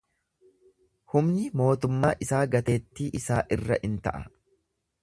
Humni mootummaa isaa gateettii isaa irra in ta'a.